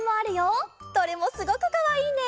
どれもすごくかわいいね！